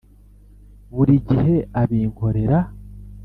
buri gihe abinkorera.